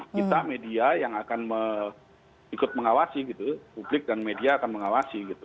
kita media yang akan ikut mengawasi gitu publik dan media akan mengawasi gitu